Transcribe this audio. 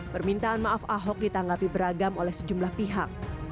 permintaan maaf ahok ditanggapi beragam oleh sejumlah pihak